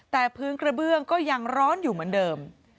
แต่พื้นกระเบื้องก็ยังร้อนอยู่เหมือนเดิม